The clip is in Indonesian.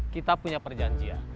kita punya perjanjian